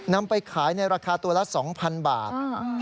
นำไปขายในราคาตัวละ๒๐๐๐บาท